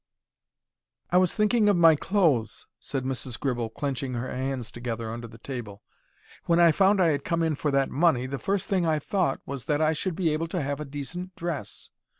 "I was thinking of my clothes," said Mrs. Gribble, clenching her hands together under the table. "When I found I had come in for that money, the first thing I thought was that I should be able to have a decent dress.